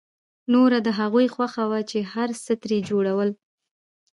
نوره د هغوی خوښه وه چې هر څه يې ترې جوړول.